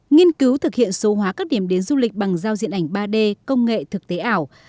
nghiên cứu thực hiện số hóa các điểm đến du lịch bằng giao diện ảnh ba d công nghệ thực tế ảo